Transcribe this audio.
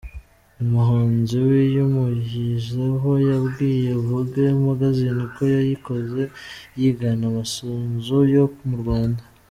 Umuhanzi wayimushyizeho yabwiye Vogue magazine ko yayikoze yigana amasunzu yo mu Rwanda.